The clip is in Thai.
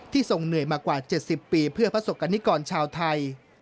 ทรงเหนื่อยมากว่า๗๐ปีเพื่อประสบกรณิกรชาวไทย